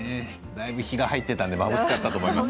だいぶ日が入っていたのでまぶしかったと思います。